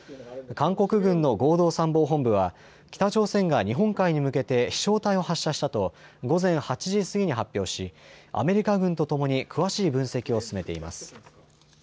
韓国軍の合同参謀本部は北朝鮮が日本海に向けて飛しょう体を発射したと午前８時過ぎに発表しアメリカ軍とともに詳しい分析を進めています。